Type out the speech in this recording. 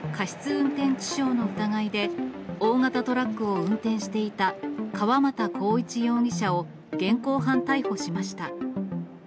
運転致傷の疑いで、大型トラックを運転していた川又浩一容疑者を現行犯逮捕しました。